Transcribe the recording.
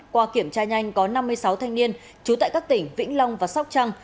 qua kiểm tra nhanh có năm mươi sáu thanh niên trú tại các tỉnh vĩnh long và sóc trăng